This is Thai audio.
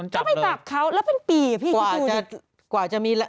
ก็ไปจับเขาแล้วพี่ที่หุ้นเป็นปี